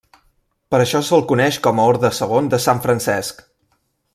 Per això se'l coneix com a orde segon de Sant Francesc.